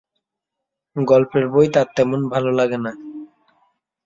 গল্পের বই তার তেমন ভালো লাগে না।